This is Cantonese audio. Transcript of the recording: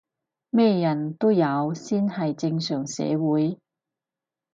咩人都有先係正常社會